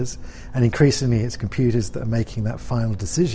dan lebih banyak komputer yang membuat keputusan terakhir